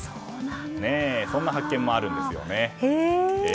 そんな発見もあるんですよね。